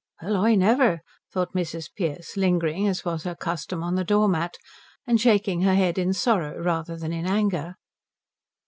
"Well I never," thought Mrs. Pearce, lingering as was her custom on the door mat, and shaking her head in sorrow rather than in anger.